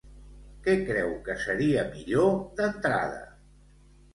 Què creu que seria millor, d'entrada?